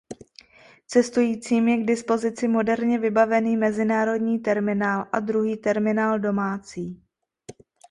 Cestujícím je k dispozici moderně vybavený mezinárodní terminál a druhý terminál domácí.